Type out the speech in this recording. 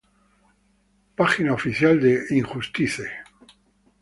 Página oficial de Injustice